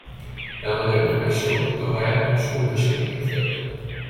De a nagyanyja megsimogatta a haját, s új mesébe kezdett.